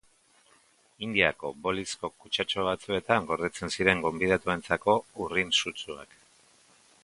Indiako bolizko kutxatxo batzuetan gordetzen ziren gonbidatuentzako urrin sutsuak.